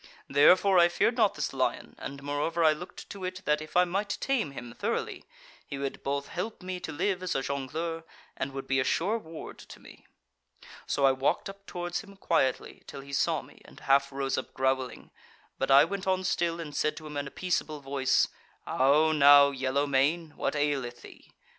Therefore I feared not this lion, and, moreover, I looked to it that if I might tame him thoroughly, he would both help me to live as a jongleur, and would be a sure ward to me. "So I walked up towards him quietly, till he saw me and half rose up growling; but I went on still, and said to him in a peaceable voice: 'How now, yellow mane! what aileth thee?